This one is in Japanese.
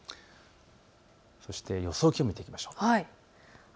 そして予想気温見ていきましょう。